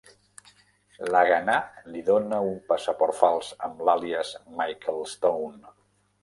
L'Haganah li dóna un passaport fals amb l'àlies "Michael Stone".